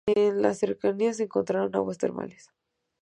En las cercanías se encontraron aguas termales.